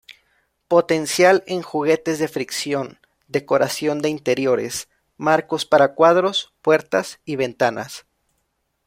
Potencial en juguetes de fricción, decoración de interiores, marcos para cuadros, puertas y ventanas.